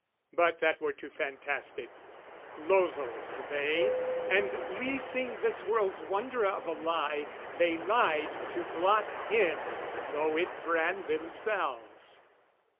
But that were too fantastic: losels they, And leasing this world's wonder of a lie, They lied to blot him though it brand themselves.